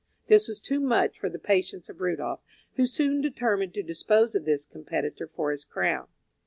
This was too much for the patience of Rudolph, who soon determined to dispose of this competitor for his crown.